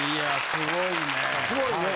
すごいね。